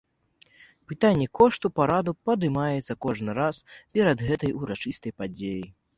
Пытанне кошту параду падымаецца кожны раз перад гэтай урачыстай падзеяй.